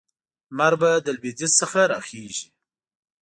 لمر به له لویدیځ څخه راخېژي.